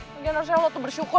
mungkin rasanya lo tuh bersyukur